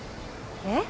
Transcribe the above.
えっ？